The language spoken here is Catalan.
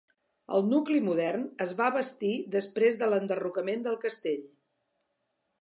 El nucli modern es va bastir després de l'enderrocament del castell.